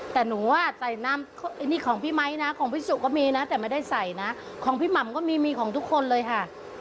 แต่หนูว่าใส่น้ำอันนี้ของพี่ไมค์นะของพี่สุก็มีนะแต่ไม่ได้ใส่นะของพี่หม่ำก็มีมีของทุกคนเลยค่ะ